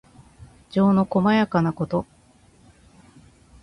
情のこまやかなこと。